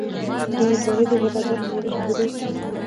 د امیدوارۍ د زړه بدوالي لپاره وچه ډوډۍ وخورئ